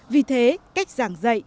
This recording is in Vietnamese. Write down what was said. vì thế cách giảng dạy